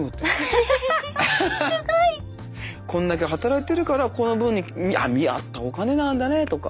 すごい！こんだけ働いてるからこの分に見合ったお金なんだねとか。